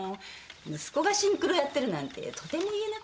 息子がシンクロやってるなんてとても言えなくて。